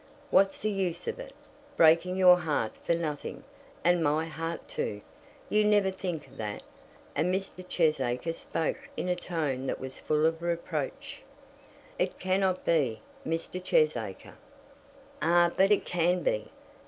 What's the use of it, breaking your heart for nothing, and my heart too. You never think of that." And Mr. Cheesacre spoke in a tone that was full of reproach. "It cannot be, Mr. Cheesacre." "Ah, but it can be.